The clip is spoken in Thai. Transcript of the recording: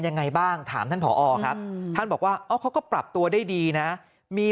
ยังไงบ้างถามท่านผอครับท่านบอกว่าอ๋อเขาก็ปรับตัวได้ดีนะมี